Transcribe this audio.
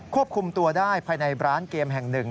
ควบคุมตัวได้ภายในร้านเกมแห่งหนึ่ง